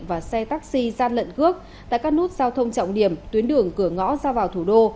và xe taxi gian lận cướp tại các nút giao thông trọng điểm tuyến đường cửa ngõ ra vào thủ đô